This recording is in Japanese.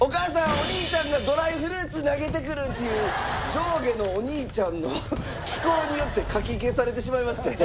お兄ちゃんがドライフルーツ投げてくる」っていう上下のお兄ちゃんの奇行によってかき消されてしまいまして。